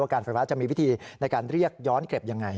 การไฟฟ้าจะมีวิธีในการเรียกย้อนเก็บยังไง